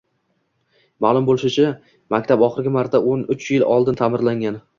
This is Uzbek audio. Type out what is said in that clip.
Ma’lum bo‘lishicha, maktab oxirgi marta o'n uch yil oldin ta’mirlangan...